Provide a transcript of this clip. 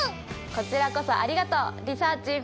こちらこそありがとうリサーちん